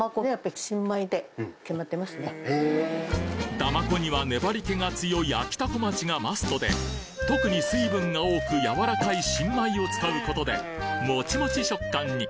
だまこには粘り気が強いあきたこまちがマストで特に水分が多くやわらかい新米を使うことでモチモチ食感に！